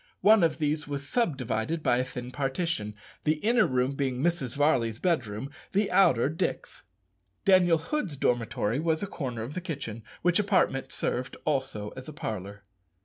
One of these was sub divided by a thin partition, the inner room being Mrs. Varley's bedroom, the outer Dick's. Daniel Hood's dormitory was a corner of the kitchen, which apartment served also as a parlour.